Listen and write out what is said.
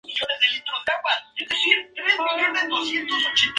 Smith estudió en la Universidad de Oxford, donde fue presidenta de The Oxford Review.